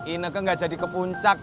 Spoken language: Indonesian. ini ke gak jadi ke puncak